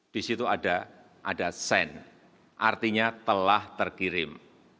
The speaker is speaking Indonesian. di situ ada sen artinya telah terkirim